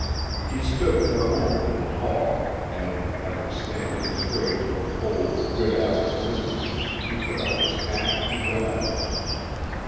He stood for a moment in the hall and, having stammered his way to a cold "Good afternoon," he put on his hat and went out.